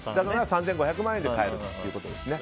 だから３５００万円で買えるということですね。